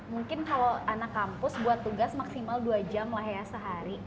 mungkin kalau anak kampus buat tugas maksimal dua jam lah ya sehari